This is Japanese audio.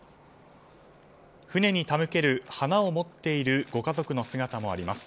船に手向ける花を持っているご家族の姿もあります。